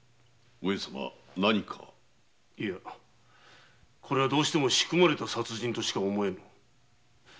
いやこれはどうしても仕組まれた殺人としか思えぬ。